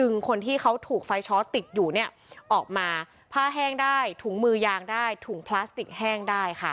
ในน้ำแล้ว